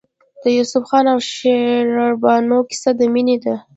د یوسف خان او شیربانو کیسه د مینې ده.